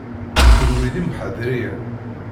Kenwi d imḥadriyen.